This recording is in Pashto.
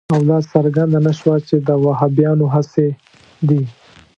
او دا څرګنده نه شوه چې دا د وهابیانو هڅې دي.